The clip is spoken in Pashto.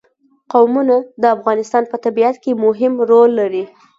قومونه د افغانستان په طبیعت کې مهم رول لري.